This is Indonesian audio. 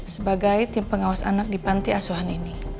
sebagai tim pengawas anak di panti asuhan ini